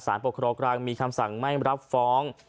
ปกครองกลางมีคำสั่งไม่รับฟ้อง